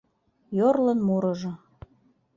ЙОРЛЫН МУРЫЖО